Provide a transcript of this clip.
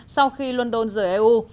sau khi london rời eu